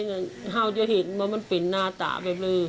เขาจะเห็นว่ามันเป็นน่าตาแบบนี้